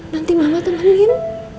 nanti mama temenin